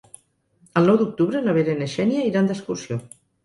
El nou d'octubre na Vera i na Xènia iran d'excursió.